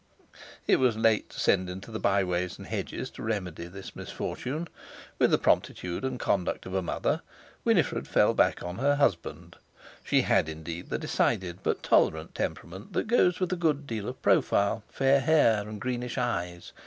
It was late to send into the by ways and hedges to remedy this misfortune. With the promptitude and conduct of a mother, Winifred fell back on her husband. She had, indeed, the decided but tolerant temperament that goes with a good deal of profile, fair hair, and greenish eyes.